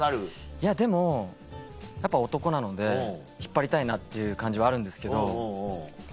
いやでもやっぱ男なので引っ張りたいなっていう感じはあるんですけど。